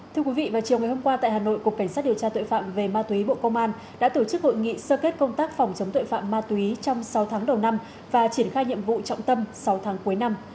thưa quý vị vào chiều ngày hôm qua tại hà nội cục cảnh sát điều tra tội phạm về ma túy bộ công an đã tổ chức hội nghị sơ kết công tác phòng chống tội phạm ma túy trong sáu tháng đầu năm và triển khai nhiệm vụ trọng tâm sáu tháng cuối năm